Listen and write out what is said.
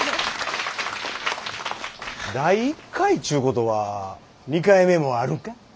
第１回っちゅうことは２回目もあるか？